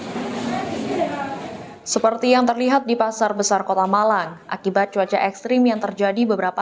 hai seperti yang terlihat di pasar besar kota malang akibat cuaca ekstrim yang terjadi beberapa